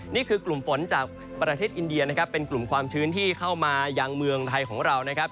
นี่คือกลุ่มฝนจากประเทศอินเดียนะครับเป็นกลุ่มความชื้นที่เข้ามายังเมืองไทยของเรานะครับ